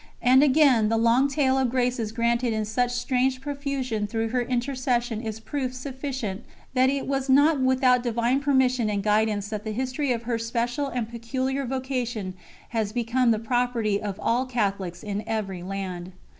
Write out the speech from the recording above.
And again, the long tale of graces granted in such strange profusion through her intercession is proof sufficient that it was not without Divine permission and guidance that the history of her special and peculiar vocation has become the property of all Catholics in every land.